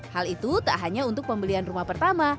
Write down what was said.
hal itu tak hanya untuk pembelian rumah pertama